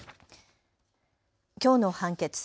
きょうの判決。